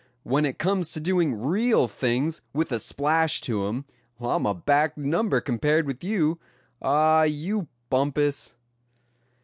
When it comes to doing real things, with the splash to 'em, I'm a back number compared with you. Oh! you Bumpus!"